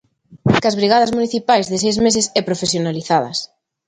Que as brigadas municipais de seis meses e profesionalizadas.